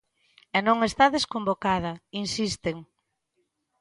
"E non está desconvocada", insisten.